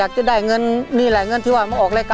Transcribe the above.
เพลงนี้อยู่ในอาราบัมชุดแรกของคุณแจ็คเลยนะครับ